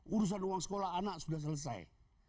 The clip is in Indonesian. urusan uang sekolah anak sudah selesai